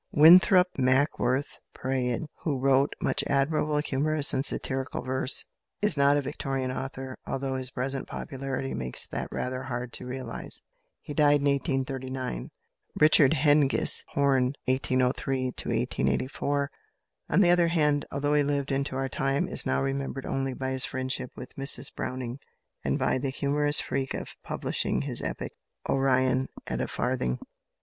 Winthrop Mackworth Praed, who wrote much admirable humorous and satirical verse, is not a Victorian author, although his present popularity makes that rather hard to realise. He died in 1839. =Richard Hengist Horne (1803 1884)=, on the other hand, although he lived into our time, is now remembered only by his friendship with Mrs Browning and by the humorous freak of publishing his epic "Orion" at a farthing.